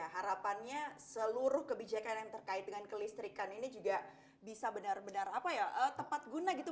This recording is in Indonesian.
harapannya seluruh kebijakan yang terkait dengan kelistrikan ini juga bisa benar benar tepat guna gitu